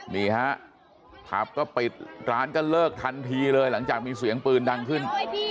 นี่ฮะผับก็ปิดร้านก็เลิกทันทีเลยหลังจากมีเสียงปืนดังขึ้น